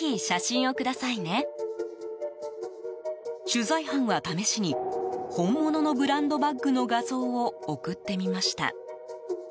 取材班は、試しに本物のブランドバッグの画像を送ってみました。